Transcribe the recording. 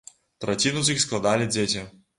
Траціну з іх складалі дзеці.